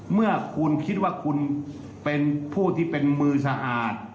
เมื่อคุณคิดว่าคุณเป็นผู้ที่เป็นมือสะอาด